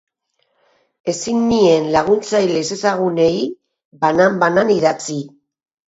Ezin nien laguntzaile ezezagunei banan-banan idatzi.